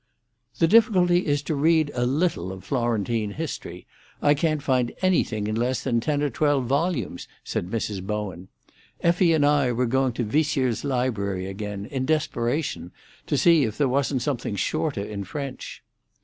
"The difficulty is to read a little of Florentine history. I can't find anything in less than ten or twelve volumes," said Mrs. Bowen. "Effie and I were going to Viesseux's Library again, in desperation, to see if there wasn't something shorter in French."